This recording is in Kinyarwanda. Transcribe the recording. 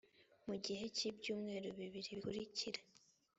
mu gihe cy ibyumweru bibiri bikurikira